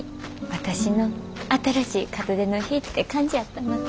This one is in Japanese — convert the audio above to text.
私の新しい門出の日って感じやったな。